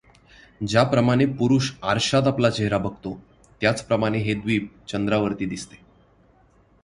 ज्याप्रमाणे पुरुष आरशात आपला चेहरा बघतो, त्याचप्रमाणे हे द्वीप चंद्रावरती दिसते.